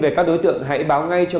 về các đối tượng hãy báo ngay cho